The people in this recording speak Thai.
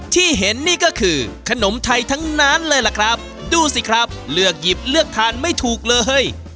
ที่เห็นนี่ก็คือขนมไทยทั้งนั้นเลยล่ะครับดูสิครับเลือกหยิบเลือกทานไม่ถูกเลย